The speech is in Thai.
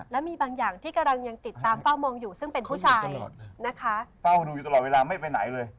แล้วมีบางอย่างที่กำลังติดตามเฝ้ามองอยู่ซึ่งเป็นผู้ชาย